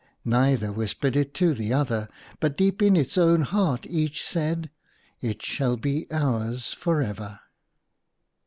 Neither whispered it to the other, but deep in its own heart each said, "It shall be ours for ever."